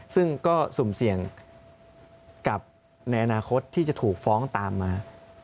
ซึ่งก็สุ่มเสี่ยงกับในอนาคตที่จะถูกฟ้องตามมา